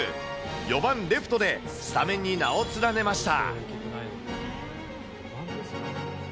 ４番レフトでスタメンに名を連ねました。